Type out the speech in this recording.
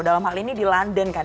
dalam hal ini di london kan